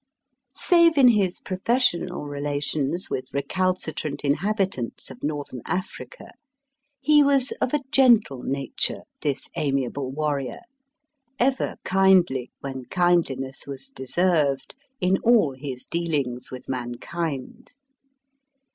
Save in his professional relations with recalcitrant inhabitants of Northern Africa, he was of a gentle nature, this amiable warrior: ever kindly, when kindliness was deserved, in all his dealings with mankind.